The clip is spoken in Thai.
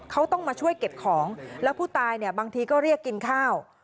เขาต้องมาช่วยเก็บของแล้วผู้ตายเนี่ยบางทีก็เรียกกินข้าว